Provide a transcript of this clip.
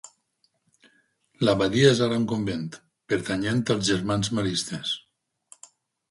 L'abadia és ara un convent, pertanyent als Germans Maristes.